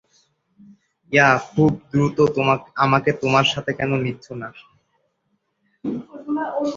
Yeah, খুব দ্রুত আমাকে তোমার সাথে কেনো নিচ্ছ না?